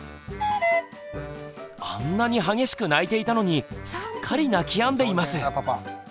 あんなに激しく泣いていたのにすっかり泣きやんでいます！